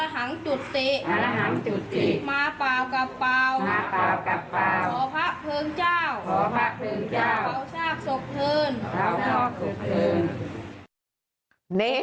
ขอบคุณครับพ่อขอบคุณ